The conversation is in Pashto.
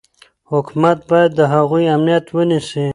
حکومت باید د هغوی امنیت ونیسي.